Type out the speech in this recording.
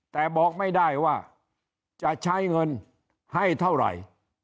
แต่บอกไม่ได้ว่าจะใช้เงินให้เท่าไหร่